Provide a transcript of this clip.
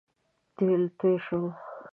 تېل توی شول